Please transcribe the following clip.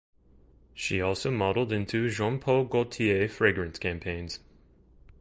She has also modelled in two Jean Paul Gaultier fragrance campaigns.